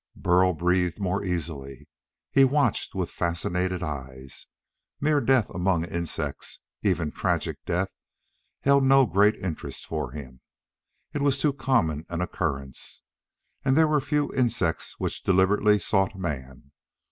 Burl breathed more easily. He watched with fascinated eyes. Mere death among insects even tragic death held no great interest for him. It was too common an occurrence. And there were few insects which deliberately sought man.